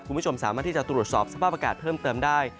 คุณผู้ชมสามารถที่จะตรวจสอบสภาพอากาศเพิ่มเติมได้